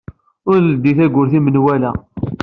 Ur leddey tawwurt i menwala.